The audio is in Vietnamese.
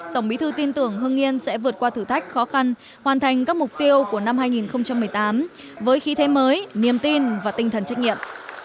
tổng bí thư tin tưởng hưng yên sẽ vượt qua thử thách khó khăn hoàn thành các mục tiêu của năm hai nghìn một mươi tám với khí thế mới niềm tin và tinh thần trách nhiệm